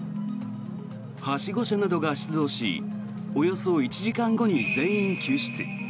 はしご車などが出動しおよそ１時間後に全員救出。